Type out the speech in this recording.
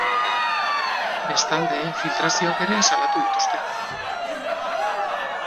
Bestalde, filtrazioak ere salatu dituzte.